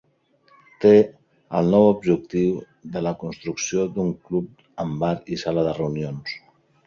Té el nou objectiu de la construcció d'un club amb bar i sala de reunions.